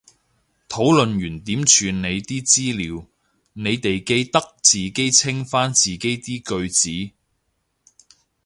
討論完點處理啲資料，你哋記得自己清返自己啲句子